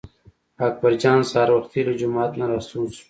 اکبر جان سهار وختي له جومات نه راستون شو.